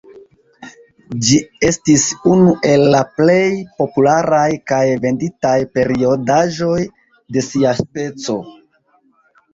Ĝi estis unu el la plej popularaj kaj venditaj periodaĵoj de sia speco.